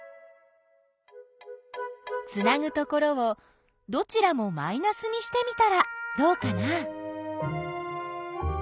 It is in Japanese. つなぐところをどちらもマイナスにしてみたらどうかな？